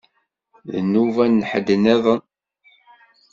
D nnuba n ḥedd nniḍen.